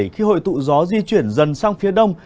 khi hội tụ gió di chuyển dần sang phía đông